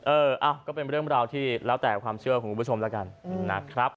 เออก็เป็นเรื่องราวที่แล้วแต่ความเชื่อของคุณผู้ชมแล้วกันนะครับ